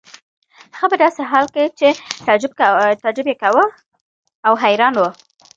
هغه په داسې حال کې چې تعجب یې کاوه او حیران و.